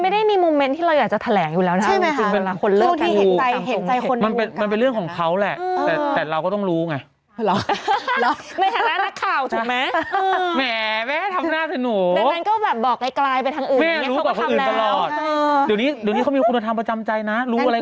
ดูนี่เขามีคุณธรรมประจำใจนะ